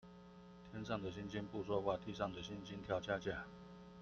天上的星星不說話，地上的猩猩跳恰恰